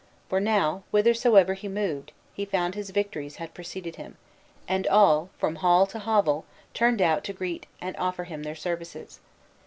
For now, whithersoever he moved, he found his victories had preceded him; and all, from hall to hovel, turned out to greet and offer him their services.